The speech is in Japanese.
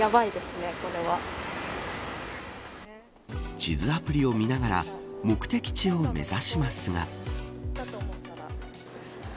地図アプリを見ながら目的地を目指しますが。